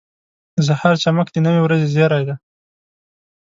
• د سهار چمک د نوې ورځې زیری دی.